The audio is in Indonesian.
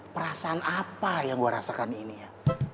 perasaan apa yang gue rasakan ini ya